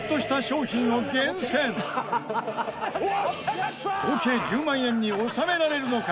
さらに合計１０万円に収められるのか？